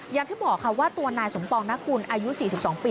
อย่างที่บอกค่ะว่าตัวนายสมปองนกุลอายุ๔๒ปี